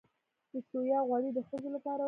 د سویا غوړي د ښځو لپاره وکاروئ